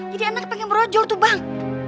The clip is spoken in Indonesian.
jadi anaknya pengen berujur tuh bang